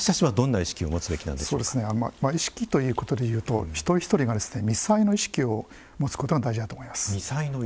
意識ということでいうと一人一人が「未災」の意識を持つことが大事だと思います。